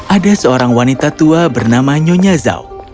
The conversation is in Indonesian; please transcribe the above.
ada seorang wanita tua bernama nyonya zau